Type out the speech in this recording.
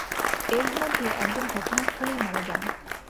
এর মধ্যে একজন ঘটনাস্থলেই মারা যান।